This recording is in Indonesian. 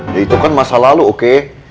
ya itu kan masa lalu oke